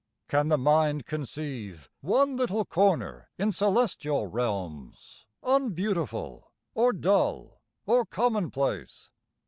Can the mind conceive One little corner in celestial realms Unbeautiful, or dull or commonplace?